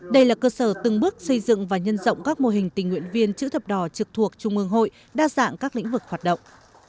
đây là cơ sở từng bước xây dựng và nhân rộng các mô hình tình nguyện viên chữ thập đỏ trực thuộc trung ương hội đa dạng các lĩnh vực hoạt động